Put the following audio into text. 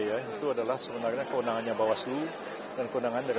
itu adalah sebenarnya kewenangannya bawaslu dan kewenangan dari